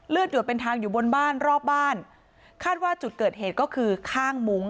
หยดเป็นทางอยู่บนบ้านรอบบ้านคาดว่าจุดเกิดเหตุก็คือข้างมุ้ง